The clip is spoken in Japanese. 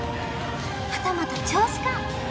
はたまた銚子か！？